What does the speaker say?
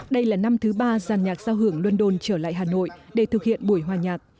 đây là năm thứ ba giàn nhạc giao hưởng london trở lại hà nội để thực hiện buổi hòa nhạc